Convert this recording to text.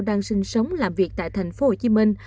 đang sinh sống làm việc tại thành phố hồ chí minh